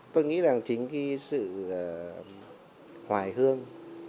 tôi nghĩ rằng chính cái sự hoài hương